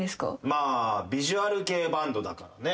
まあヴィジュアル系バンドだからね。